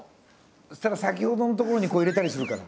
そしたら先ほどのところにこう入れたりするから。